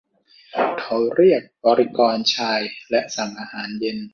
เขาเรียกบริกรชายและสั่งอาหารเย็น